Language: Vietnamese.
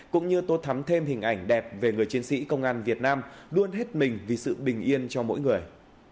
cũng như tô thắm thêm hình ảnh đẹp về người chiến sĩ công an việt nam luôn hết mình vì sự bình yên cho mỗi người